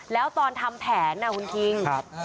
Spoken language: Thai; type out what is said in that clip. แล้วตอนทำแผนคุณคิง